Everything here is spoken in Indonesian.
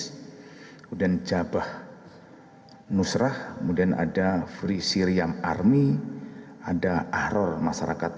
kemudian jabah nusrah kemudian ada free syrian army ada ahror masyarakat